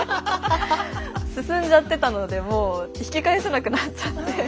進んじゃってたのでもう引き返せなくなっちゃって。